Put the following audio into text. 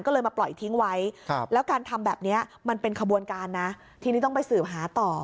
ก็เลยมาปล่อยทิ้งไว้แล้วการทำแบบนี้มันเป็นขบวนการนะทีนี้ต้องไปสืบหาต่อ